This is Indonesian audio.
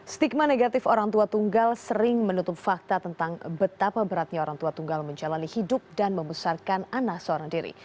stigma negatif orang tua tunggal sering menutup fakta tentang betapa beratnya orang tua tunggal menjalani hidup dan membesarkan anak seorang diri